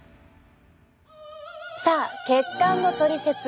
さあ血管のトリセツ。